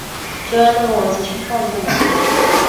就让那个王子去晃动吧！